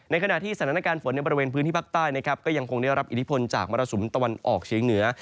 ขณะที่สถานการณ์ฝนในบริเวณพื้นที่ภาคใต้นะครับก็ยังคงได้รับอิทธิพลจากมรสุมตะวันออกเฉียงเหนือ